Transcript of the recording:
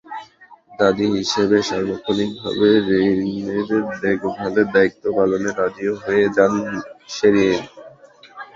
দাদি হিসেবে সার্বক্ষণিকভাবে রেইনের দেখভালের দায়িত্ব পালনে রাজিও হয়ে যান শেরিল।